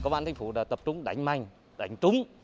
công an thành phố đã tập trung đánh mạnh đánh trúng